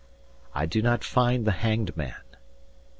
I do not find The Hanged Man.